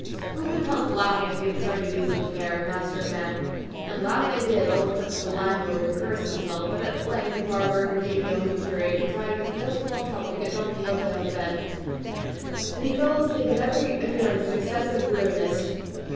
Who could have helped laughing at the absurdities of the pair, master and man? And laugh they did, all except the landlord, who cursed himself; but at length the barber, Cardenio, and the curate contrived with no small trouble to get Don Quixote on the bed, and he fell asleep with every appearance of excessive weariness.